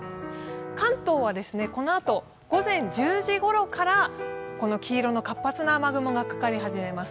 関東は、このあと午前１０時ごろから黄色の活発な雨雲がかかり始めます。